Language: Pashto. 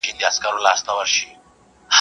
چاري و سوې، چي پاته ناچاري سوې.